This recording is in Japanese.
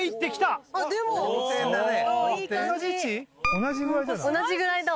同じぐらいだ。